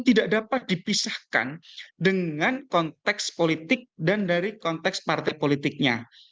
tidak dapat dipisahkan dengan konteks politik dan dari konteks partai politiknya